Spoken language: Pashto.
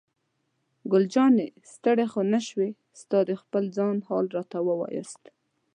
ګل جانې: ستړی خو نه شوې؟ تاسې د خپل ځان حال راته ووایاست.